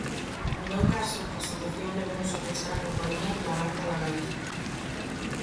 No meu caso, a situación levounos a pechar a compañía 'Lagarta Lagarta'.